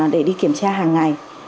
để đi kiểm tra hàng ngày